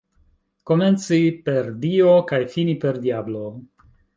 Komenci per Dio kaj fini per diablo.